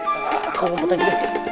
kau bawa aku tadi